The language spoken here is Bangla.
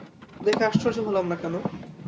দেখে আশ্চর্য হলাম না কেন?